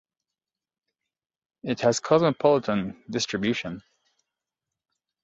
It has cosmopolitan distribution.